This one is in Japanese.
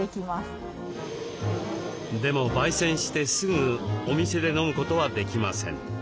でもばい煎してすぐお店で飲むことはできません。